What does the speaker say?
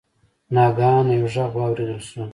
ناګهانه یو غږ واوریدل شو.